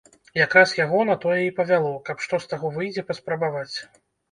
Якраз яго на тое і павяло, каб, што з таго выйдзе, паспрабаваць.